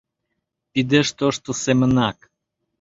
Пидеш тошто семынак.